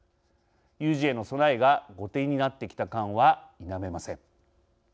有事への備えが後手になってきた感は否めません。